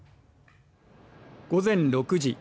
午前６時。